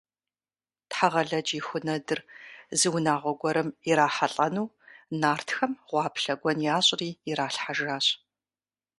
Тхьэгъэлэдж и ху нэдыр зы унагъуэ гуэрым ирахьэлӀэну, нартхэм гъуаплъэ гуэн ящӀри иралъхьэжащ.